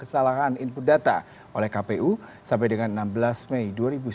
kesalahan input data oleh kpu sampai dengan enam belas mei dua ribu sembilan belas